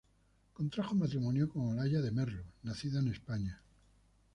Contrajo matrimonio con Olalla de Merlo, nacida en España.